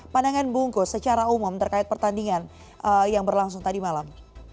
pandangan bungkus secara umum terkait pertandingan yang berlangsung tadi malam